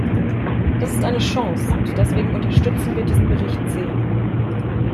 Das ist eine Chance, und deswegen unterstützen wir diesen Bericht sehr.